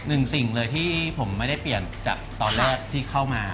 สิ่งเลยที่ผมไม่ได้เปลี่ยนจากตอนแรกที่เข้ามา